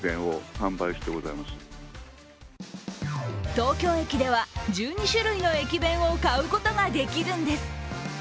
東京駅では１２種類の駅弁を買うことができるんです。